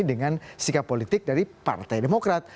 dengan sikap politik dari partai demokrat